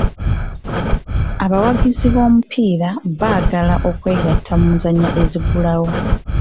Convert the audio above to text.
Abawagizi b'omupiira baagala okwetaba mu nzannya eziggulawo.